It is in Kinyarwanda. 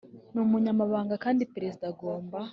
n Umunyamabanga kandi Perezida agomba